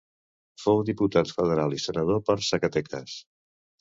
Fou Diputat Federal i Senador per Zacatecas.